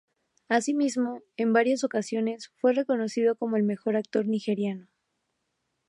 Asimismo, en varias ocasiones fue reconocido como el mejor actor nigeriano.